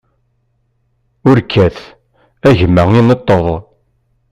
Ur kkat, a gma, ineṭṭeḍ.